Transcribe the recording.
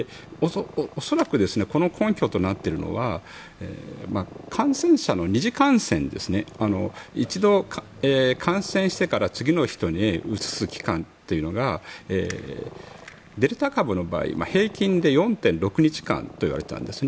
恐らくこの根拠となっているのは感染者の二次感染ですね一度感染してから次の人にうつす期間というのがデルタ株の場合平均で４．６日間といわれていたんです。